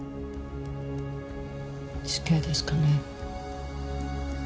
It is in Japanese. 死刑ですかね？